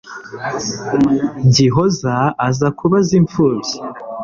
Gihoza aza kubaza imfubyi